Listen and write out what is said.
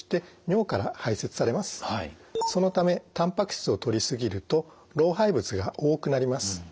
そのためたんぱく質をとりすぎると老廃物が多くなります。